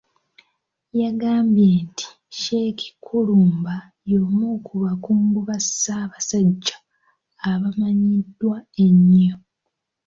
Yagambye nti Sheik Kulumba y'omu ku bakungu ba Ssabasajja abamanyiddwa ennyo.